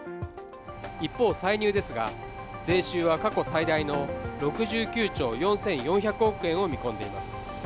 一方、歳入ですが、税収は過去最大の６９兆４４００億円を見込んでいます。